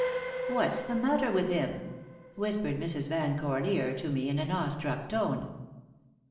"What's the matter with him?" whispered Mrs. Van Corlear to me in an awe struck tone.